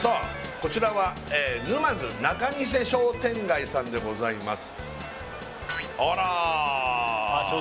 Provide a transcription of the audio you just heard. こちらは沼津仲見世商店街さんでございます